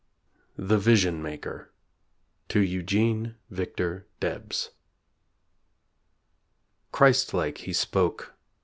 THE VISION MAKER To EUGENE VICTOR DEBS Christ like he spoke.